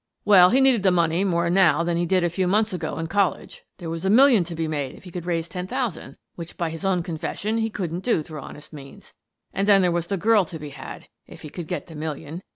"Well, he needed the money more now than he did a few months ago in college. There was a million to be made if he could raise ten thousand, which, by his own confession, he couldn't do through honest means. And then there was the girl to be had — if he could get the million.